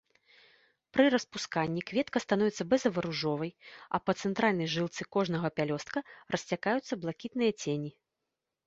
Пры распусканні кветка становіцца бэзава-ружовай, а па цэнтральнай жылцы кожнага пялёстка расцякаюцца блакітныя цені.